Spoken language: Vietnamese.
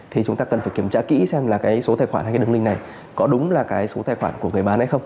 thì chúng ta cần phải kiểm tra kỹ xem là cái số tài khoản hay cái đường link này có đúng là cái số tài khoản của người bán hay không